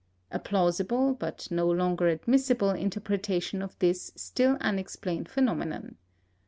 " A plausible, but no longer admissible, interpretation of this still unexplained phenomenon.